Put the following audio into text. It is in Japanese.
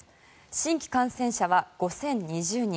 新規感染者は５０２０人。